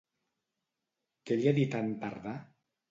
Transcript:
Què li ha dit a en Tardà?